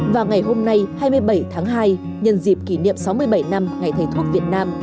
vào ngày hôm nay hai mươi bảy tháng hai nhân dịp kỷ niệm sáu mươi bảy năm ngày thầy thuốc việt nam